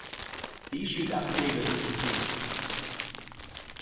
The issued affidavit was received.